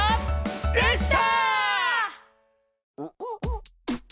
できた！